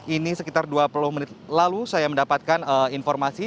ini sekitar dua puluh menit lalu saya mendapatkan informasi